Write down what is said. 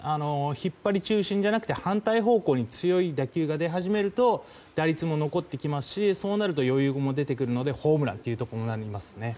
引っ張り中心じゃなくて反対方向に強い打球が出始めると打率も残ってきますしそうなると余裕も出るのでホームランも出てきますね。